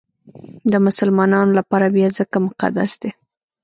د مسلمانانو لپاره بیا ځکه مقدس دی.